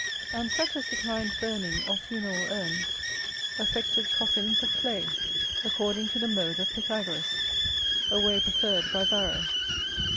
And such as declined burning or funeral urns, affected coffins of clay, according to the mode of Pythagoras, a way preferred by Varro.